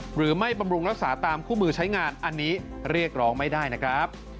บำรุงรักษาตามคู่มือใช้งานอันนี้เรียกร้องไม่ได้นะครับ